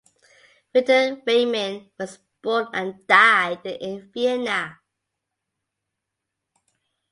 Viktor Reimann was born and died in Vienna.